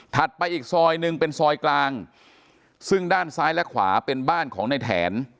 ไปอีกซอยหนึ่งเป็นซอยกลางซึ่งด้านซ้ายและขวาเป็นบ้านของในแถน